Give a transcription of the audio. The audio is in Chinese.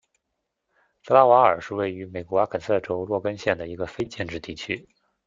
德拉瓦尔是位于美国阿肯色州洛根县的一个非建制地区。